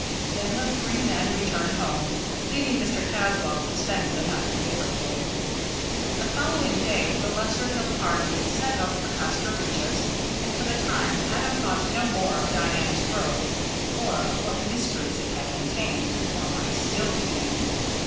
Then the three men returned home, leaving Mr. Caswall to spend the night in Liverpool. The following day the Lesser Hill party set out for Castra Regis, and for the time Adam thought no more of Diana's Grove or of what mysteries it had contained or might still contain.